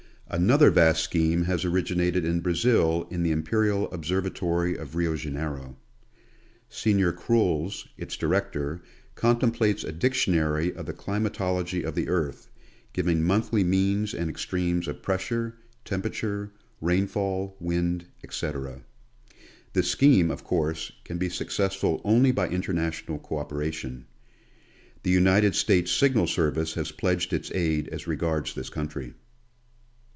Another vast scheme has originated in Brazil in the Imperial Observatory of Rio Janeiro. Senor Cruls, its director, contem plates a dictionary of the climatology of the earth, giving monthly means and extremes of pressure, temperature, rainfall, wind, etc. This scheme, of course, can be successful, only by international co operation. The United States Signal Service has pledged its aid as regards this country.